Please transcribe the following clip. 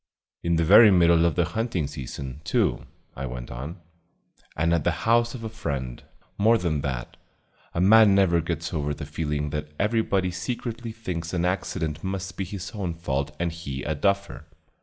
"In the very middle of the hunting season, too," I went on, "and at the house of a friend. More than that, a man never gets over the feeling that everybody secretly thinks an accident must be his own fault and he a duffer.